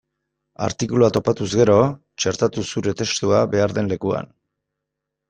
Artikulua topatuz gero, txertatu zure testua behar den lekuan.